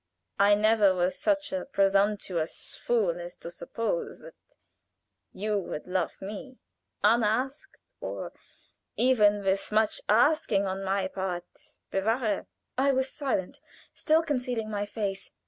I never was such a presumptuous fool as to suppose that you would love me unasked or even with much asking on my part bewahre!" I was silent, still concealing my face.